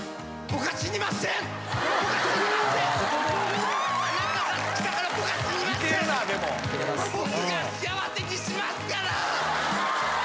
「僕が幸せにしますからぁ！」